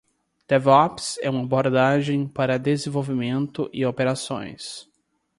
DevOps é uma abordagem para desenvolvimento e operações.